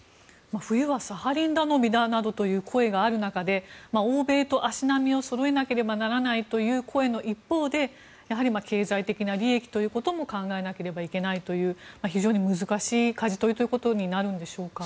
冬はサハリン頼みだという声がある中で欧米と足並みをそろえなければならないという声の一方でやはり経済的な利益ということも考えなければいけないという非常に難しいかじ取りということになるんでしょうか。